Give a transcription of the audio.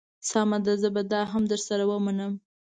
سمه ده زه به دا هم در سره ومنم.